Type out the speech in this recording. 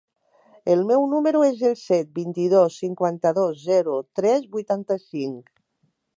El meu número es el set, vint-i-dos, cinquanta-dos, zero, tres, vuitanta-cinc.